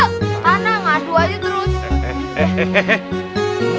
mana ngadu aja terus